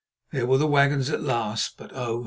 There were the wagons at last, but—oh!